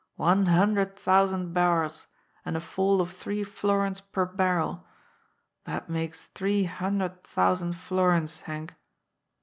" One hundred thou sand barrels, and a fall of three florins per barrel ! That makes three hundred thousand florins, Henk."